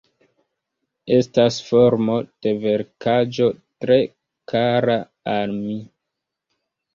Estas formo de verkaĵo tre kara al mi.